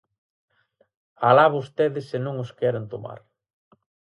¡Alá vostedes se non os queren tomar!